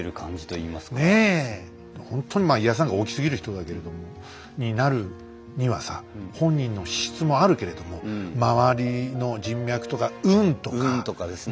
ほんとに家康さんが大きすぎる人だけれどになるにはさ本人の資質もあるけれども運とかですね。